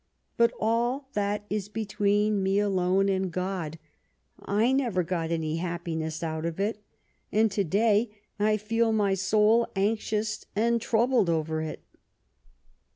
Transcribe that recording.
But all that is between me alone and God. I never got any happiness out of it, and to day I feel my soul anxious and troubled over it."